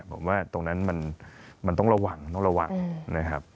ผมว่าตรงนั้นมันต้องระวังต้องระวังนะครับ